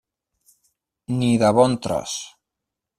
Ni de bon tros.